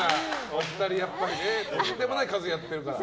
お二人とんでもない数やってるから。